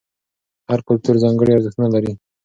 هر کلتور ځانګړي ارزښتونه لري.